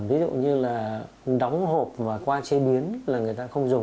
ví dụ như là đóng hộp và qua chế biến là người ta không dùng